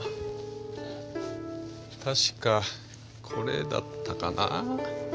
確かこれだったかな。